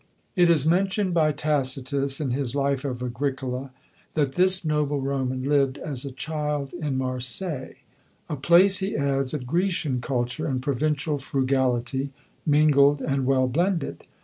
It is mentioned by Tacitus, in his life of Agricola, that this noble Roman lived as a child in Marseilles; "a place," he adds, "of Grecian culture and provincial frugality, mingled and well blended."